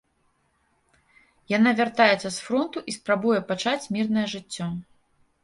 Яна вяртаецца з фронту і спрабуе пачаць мірнае жыццё.